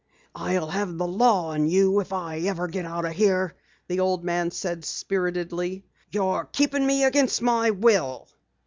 "I'll have the law on you, if I ever get out of here!" the old man said spiritedly. "You're keepin' me against my will."